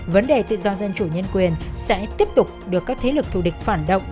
vấn đề tự do dân chủ nhân quyền sẽ tiếp tục được các thế lực thù địch phản động